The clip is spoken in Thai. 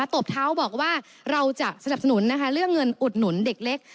ตบเท้าบอกว่าเราจะสนับสนุนนะคะเรื่องเงินอุดหนุนเด็กเล็ก